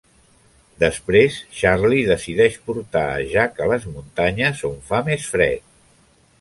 Després, Charlie decideix portar a Jack a les muntanyes on fa més fred.